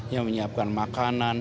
yang menyiapkan makanan